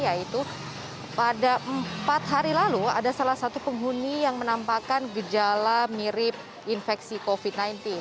yaitu pada empat hari lalu ada salah satu penghuni yang menampakkan gejala mirip infeksi covid sembilan belas